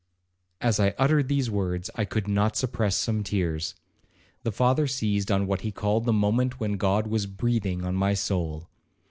As I uttered these words, I could not suppress some tears. The father seized on what he called the moment when God was breathing on my soul.